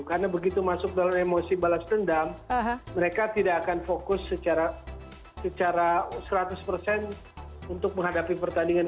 karena begitu masuk dalam emosi balas dendam mereka tidak akan fokus secara seratus untuk menghadapi pertandingan